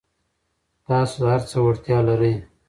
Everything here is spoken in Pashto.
تاسو د هر څه وړتیا لرئ.